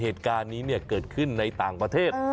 เหตุการณ์นี้เกิดขึ้นในต่างประเทศ